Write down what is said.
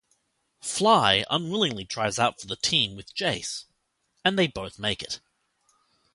"Fly" unwillingly tries out for the team with Jace, and they both make it.